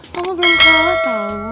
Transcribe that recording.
mama belum kalah tau